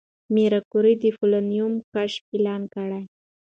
ماري کوري د پولونیم کشف اعلان کړ.